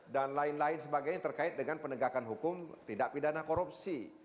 dan lain lain sebagainya terkait dengan penegakan hukum tidak pidana korupsi